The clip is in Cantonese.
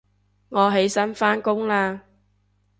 我起身返工喇